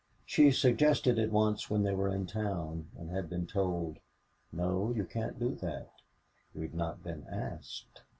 She suggested it once when they were in town, and had been told, "No, you can't do that. We've not been asked."